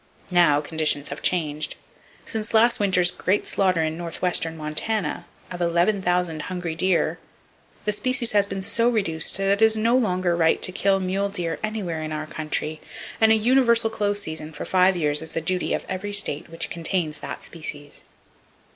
Now, conditions have changed. Since last winter's great slaughter in northwestern Montana, of 11,000 hungry deer, the species has been so reduced that it is no longer right to kill mule deer anywhere in our country, and a universal close season for five years is the duty of every state which contains that species.